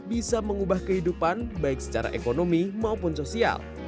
bisa mengubah kehidupan baik secara ekonomi maupun sosial